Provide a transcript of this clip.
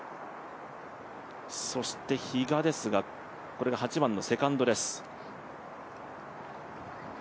そして比嘉ですがこれが８番のセカンドです。